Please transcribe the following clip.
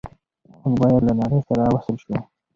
موږ باید له نړۍ سره وصل شو.